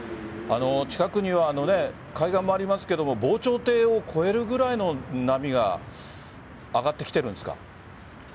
近くには海岸もありますが防潮堤を越えるくらいの波が上がって来ているんですか？